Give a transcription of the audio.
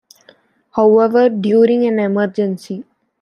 However, during an Emergency!